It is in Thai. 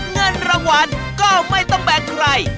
เงินรางวัลก็ไม่ต้องแบ่งใคร